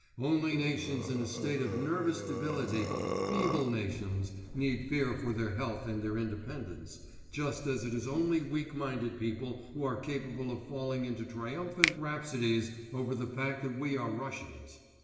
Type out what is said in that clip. Only nations in a state of nervous debility, feeble nations, need fear for their health and their independence, just as it is only weak minded people who are capable of falling into triumphant rhapsodies over the fact that we are Russians.